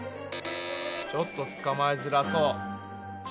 ちょっと捕まえづらそう。